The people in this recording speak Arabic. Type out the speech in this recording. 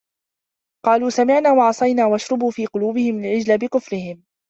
قَالُوا سَمِعْنَا وَعَصَيْنَا وَأُشْرِبُوا فِي قُلُوبِهِمُ الْعِجْلَ بِكُفْرِهِمْ